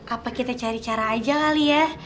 apa kita cari cara aja kali ya